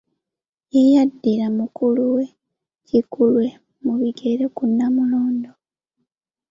Ye yaddira mukulu we Kikulwe mu bigere ku Nnamulondo.